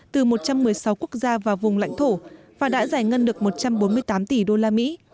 từ một trăm một mươi sáu quốc gia và vùng lãnh thổ và đã giải ngân được một trăm bốn mươi tám tỷ đô la mỹ